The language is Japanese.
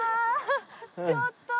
ちょっと。